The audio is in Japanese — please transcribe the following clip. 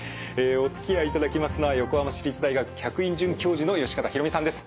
おつきあいいただきますのは横浜市立大学客員准教授の善方裕美さんです。